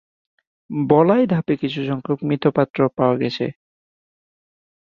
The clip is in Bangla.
বলাই ধাপে কিছু সংখ্যক মৃৎপাত্র পাওয়া গেছে।